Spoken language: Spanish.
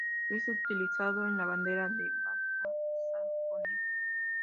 Es utilizado en la bandera de Baja Sajonia.